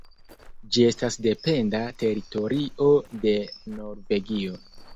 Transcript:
Ĝi estas dependa teritorio de Norvegio.